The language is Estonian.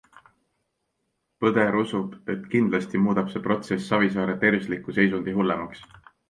Põdder usub, et kindlasti muudab see protsess Savisaare tervisliku seisundi hullemaks.